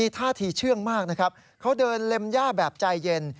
ท่าทีเชื่องมากนะครับเขาเดินเล็มย่าแบบใจเย็น